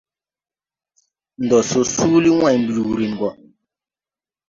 Ndo so suuli wãy mbuyurin go.